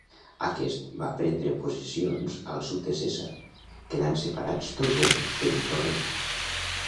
Aquest va prendre posicions al sud de Cèsar, quedant separats tots dos per un torrent.